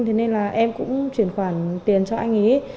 thế nên em cũng chuyển khoản tiền cho anh ấy